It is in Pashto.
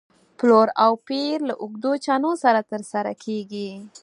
پلور او پېر له اوږدو چنو سره تر سره کېږي.